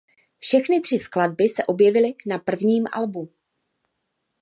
Všechny tři skladby se objevily na prvním albu.